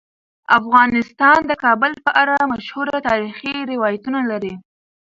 افغانستان د کابل په اړه مشهور تاریخی روایتونه لري.